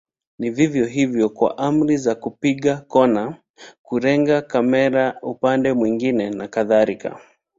Ni vivyo hivyo kwa amri za kupiga kona, kulenga kamera upande mwingine na kadhalika.